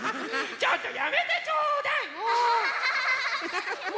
ちょっとやめてちょうだいもう！